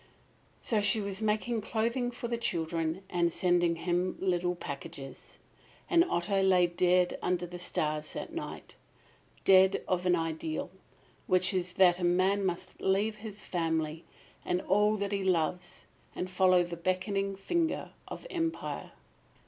So she was making clothing for the children and sending him little packages. And Otto lay dead under the stars that night dead of an ideal, which is that a man must leave his family and all that he loves and follow the beckoning finger of empire.